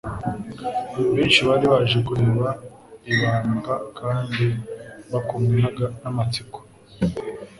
Benshi bari baje kureba ibambwa kandi bakumwe n'amatsiko,